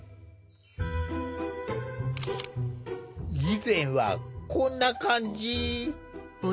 以前はこんな感じ。